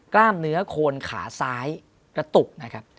กล้ามเหนือโคนขาซ้ายกระตุก